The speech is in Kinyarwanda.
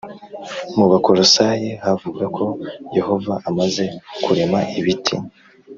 Mu Bakolosayi havuga ko Yehova amaze kurema ibiti